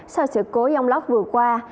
sau sự cố giông lóc vừa qua